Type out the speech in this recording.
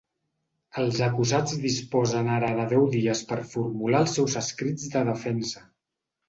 Els acusats disposen ara de deu dies per formular els seus escrits de defensa.